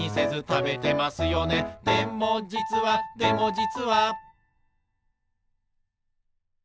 「でもじつはでもじつは」